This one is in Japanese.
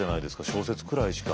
小説くらいしか。